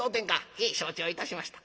「へえ承知をいたしました」。